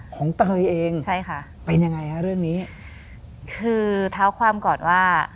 เตยเองใช่ค่ะเป็นยังไงฮะเรื่องนี้คือเท้าความก่อนว่า